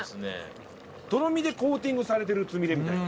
とろみでコーティングされてるつみれみたいな。